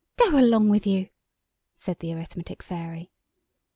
Go along with you!" said the Arithmetic Fairy.